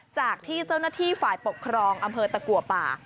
จากที่เจ้าหน้าที่ฝ่ายปกครองอำเภอตะกัวป่า